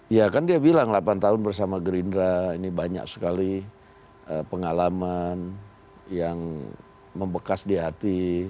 ya kan dia bilang delapan tahun bersama gerindra ini banyak sekali pengalaman yang membekas di hati